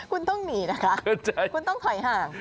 คุณต้องหนีนะคะคุณต้องถอยห่าง